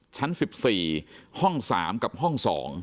ชั้น๑๔ห้อง๓กับห้อง๒